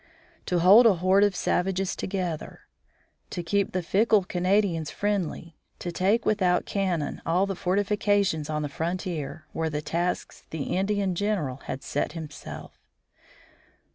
To hold a horde of savages together, to keep the fickle Canadians friendly, to take without cannon all the fortifications on the frontier, were the tasks the Indian general had set himself.